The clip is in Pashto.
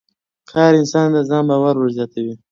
کار انسان ته د ځان باور ور زیاتوي